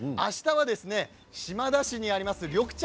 あしたは島田市にあります